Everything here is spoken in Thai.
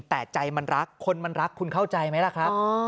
แต่ใจมันรักคนมันรักคุณเข้าใจไหมล่ะครับ